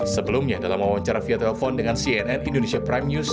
sebelumnya dalam wawancara via telepon dengan cnn indonesia prime news